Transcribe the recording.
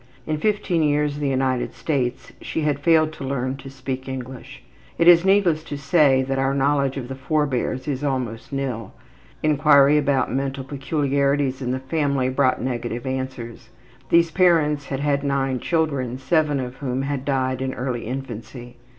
In 15 years in the United States she had failed to learn to speak English. It is needless to say that our knowledge of the forebears is almost nil. Inquiry about mental peculiarities in the family brought negative answers. These parents had had nine children, seven of whom had died in early infancy.